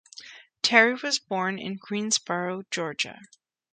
Terry was born in Greensboro, Georgia.